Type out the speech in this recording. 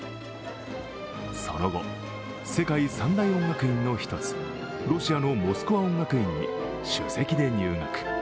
その後、世界三大音楽院の１つ、ロシアのモスクワ音楽院に首席で入学。